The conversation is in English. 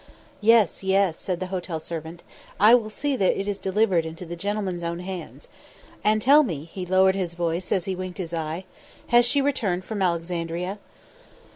"Yes, yes," said the hotel servant. "I will see that it is delivered into the gentleman's own hands. And, tell me" he lowered his voice as he winked his eye "has she returned from Alexandria?"